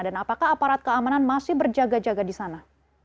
dan apakah aparat keamanan masih berjaga jaga di sana